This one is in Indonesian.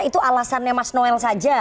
itu alasannya mas noel saja